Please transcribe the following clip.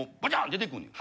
出てくんねん。